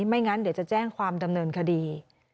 ไม่งั้นเดี๋ยวจะแจ้งความดำเนินคดี